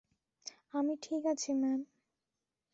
আমি ঠিক আছি ম্যাম।